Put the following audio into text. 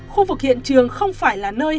khu vực hiện trường không phải là nơi